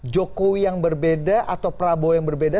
jokowi yang berbeda atau prabowo yang berbeda